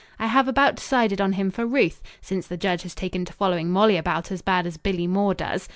"I have about decided on him for Ruth since the judge has taken to following Molly about as bad as Billy Moore does.